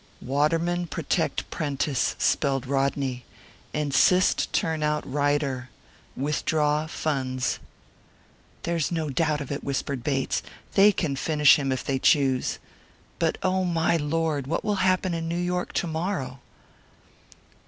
"Waterman protect Prentice," spelled Rodney. "Insist turn out Ryder. Withdraw funds." "There's no doubt of it," whispered Bates; "they can finish him if they choose. But oh, my Lord, what will happen in New York to morrow!'